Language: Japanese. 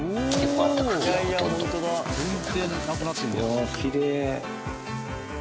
うわきれい。